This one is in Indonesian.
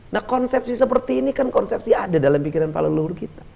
nah konsepsi seperti ini kan konsepsi ada dalam pikiran pak leluhur kita